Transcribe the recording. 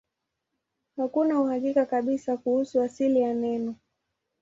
Hakuna uhakika kabisa kuhusu asili ya neno.